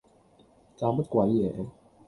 搞乜鬼嘢